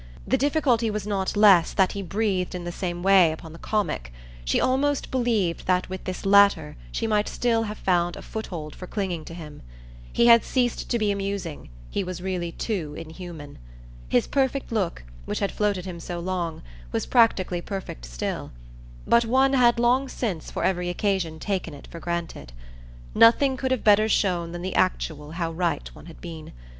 The difficulty was not less that he breathed in the same way upon the comic: she almost believed that with this latter she might still have found a foothold for clinging to him. He had ceased to be amusing he was really too inhuman. His perfect look, which had floated him so long, was practically perfect still; but one had long since for every occasion taken it for granted. Nothing could have better shown than the actual how right one had been.